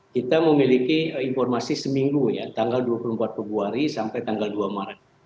kita memiliki informasi seminggu ya tanggal dua puluh empat februari sampai tanggal dua maret